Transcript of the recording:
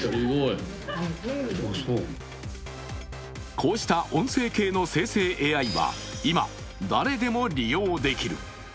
こうした音声系の生成ＡＩは今、誰でも利用できる。